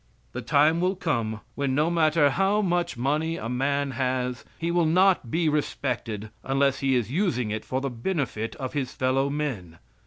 The time will come when no matter how much money a man has, he will not be respected unless he is using it for the benefit of his fellow men.